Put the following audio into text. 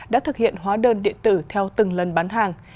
đã thực hiện hóa đơn điện tử theo từng lần bán hàng